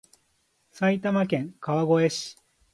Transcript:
埼玉県川越市